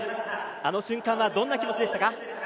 あの瞬間はどんな気持ちでしたか。